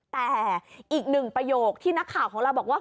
แต่อีกหนึ่งประโยคที่นักข่าวของเราบอกว่า